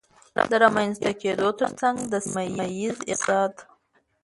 د رامنځته کېدو ترڅنګ د سيمهييز اقتصاد